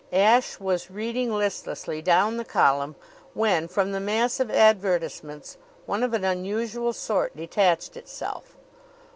Ashe was reading listlessly down the column when, from the mass of advertisements, one of an unusual sort detached itself.